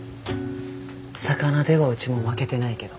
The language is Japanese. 魚ではうちも負けてないけど。